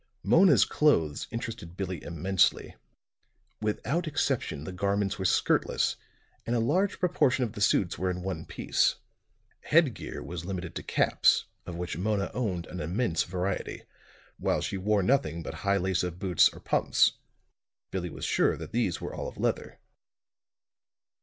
Mona's clothes interested Billie immensely. Without exception the garments were skirtless, and a large proportion of the suits were in one piece. Headgear was limited to caps, of which Mona owned an immense variety; while she wore nothing but high lace up boots or pumps. Billie was sure that these were all of leather.